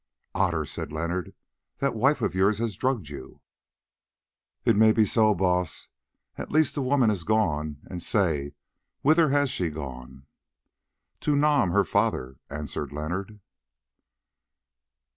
"Otter," said Leonard, "that wife of yours has drugged you." "It may be so, Baas. At least the woman has gone, and, say, whither has she gone?" "To Nam, her father," answered Leonard.